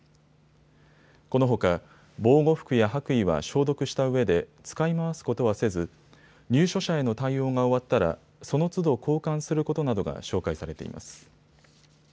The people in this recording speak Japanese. このほか防護服や白衣は消毒したうえで使い回すことはせず入所者への対応が終わったらそのつど交換することなどが紹介されています。